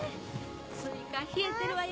スイカ冷えてるわよ。